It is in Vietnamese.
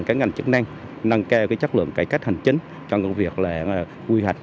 các ngành chức năng nâng cao chất lượng cải cách hành chính trong việc quy hoạch